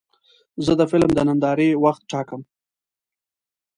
زه د فلم د نندارې وخت ټاکم.